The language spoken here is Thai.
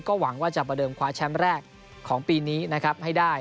หวังว่าจะประเดิมคว้าแชมป์แรกของปีนี้นะครับให้ได้